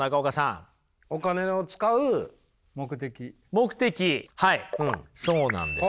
目的はいそうなんです。